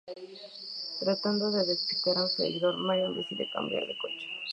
Tratando de despistar a su perseguidor, Marion decide cambiar de coche.